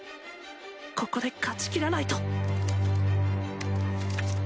ここで勝ち切らないと！